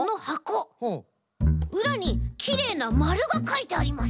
うらにきれいなまるがかいてあります。